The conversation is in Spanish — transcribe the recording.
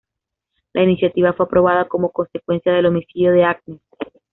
La iniciativa fue aprobada como consecuencia del homicidio de Agnes.